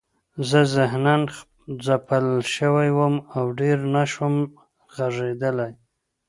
زه ذهناً ځپل شوی وم او ډېر نشوم غږېدلی